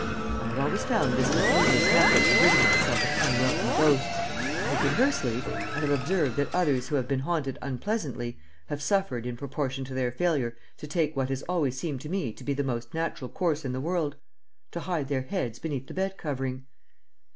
I have always found this the easiest method of ridding myself of unwelcome ghosts, and, conversely, I have observed that others who have been haunted unpleasantly have suffered in proportion to their failure to take what has always seemed to me to be the most natural course in the world to hide their heads beneath the bed covering.